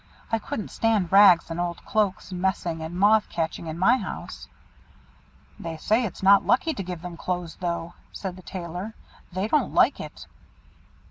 I couldn't stand rags and old cloaks, messing and moth catching, in my house." "They say it's not lucky to give them clothes, though," said the Tailor; "they don't like it."